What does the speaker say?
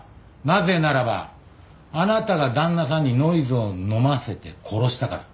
なぜならばあなたが旦那さんにノイズを飲ませて殺したから。